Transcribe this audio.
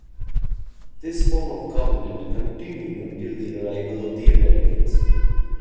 This form of government continued until the arrival of the Americans.